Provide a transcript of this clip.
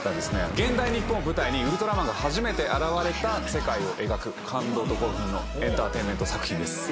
現代日本を舞台にウルトラマンが初めて現れた世界を描く感動と興奮のエンターテインメント作品です。